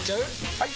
・はい！